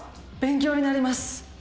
勉強になります！